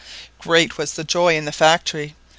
Great was the joy in the factory.